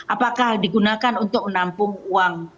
apakah digunakan untuk menampung uang